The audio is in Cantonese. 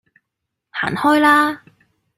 行開啦